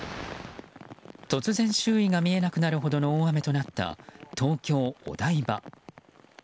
突然、周囲が見えなくなるほどの大雨となった東京・お台場。